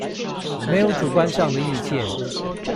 沒有主觀上的意見